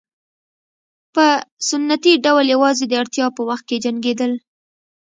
په سنتي ډول یوازې د اړتیا په وخت کې جنګېدل.